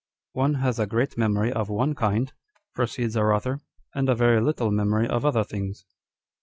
" One has a great memory of one kind," proceeds our author, " and a very little memory of other things."